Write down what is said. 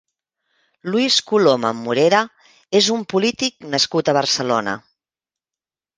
Luis Coloma Morera és un polític nascut a Barcelona.